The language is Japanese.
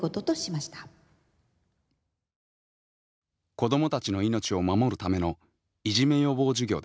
子どもたちの命を守るためのいじめ予防授業です。